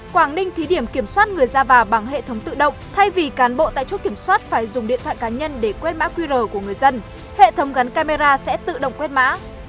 quảng ninh thí điểm kiểm soát người ra vào bằng hệ thống tự động thay vì cán bộ tại chốt kiểm soát phải dùng điện thoại cá nhân để quét mã qr của người dân hệ thống gắn camera sẽ tự động quét mã